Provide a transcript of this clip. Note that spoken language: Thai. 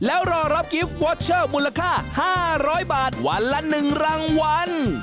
แล้วรอรับกิฟต์วอเชอร์มูลค่า๕๐๐บาทวันละ๑รางวัล